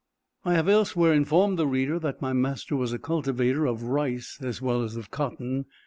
I have elsewhere informed the reader that my master was a cultivator of rice as well as of cotton.